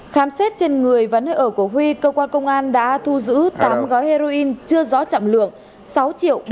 khám xét trên người vấn hợp của huy cơ quan công an đã thu giữ tám gói heroin chưa rõ chậm lượng sáu triệu bảy trăm linh